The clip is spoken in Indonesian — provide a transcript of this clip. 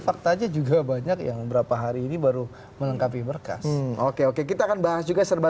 faktanya juga banyak yang berapa hari ini baru melengkapi berkas oke oke kita akan bahas juga serba